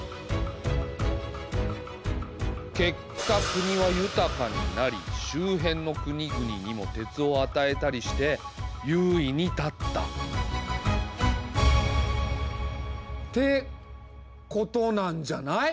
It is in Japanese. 結果国は豊かになり周辺の国々にも鉄をあたえたりして優位に立った。ってことなんじゃない？